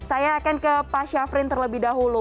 saya akan ke pak syafrin terlebih dahulu